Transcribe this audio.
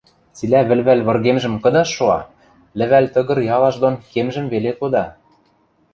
Цилӓ вӹлвӓл выргемжӹм кыдаш шуа, лӹвӓл тыгыр-ялаш дон кемжӹм веле кода.